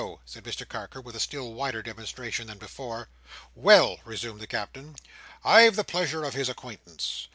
said Mr Carker, with a still wider demonstration than before. "Well," resumed the Captain, "I've the pleasure of his acquaintance.